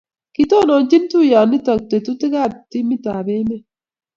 kitononchini tuyionoto tetutikab timitab emet.